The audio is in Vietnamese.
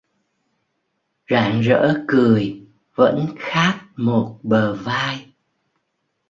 Rạng rỡ cười, vẫn khát một bờ vai